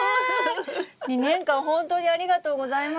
２年間本当にありがとうございました。